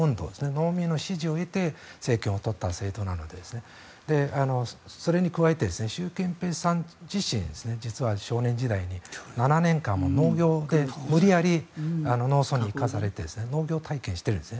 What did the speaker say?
農民の支持を得て政権を取った政権なのでそれに加えて習近平さん自身実は少年時代に７年間無理やり農村に行かされて農業体験しているんです。